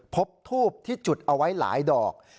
พบทูบที่จุดเอาไว้หลายดอก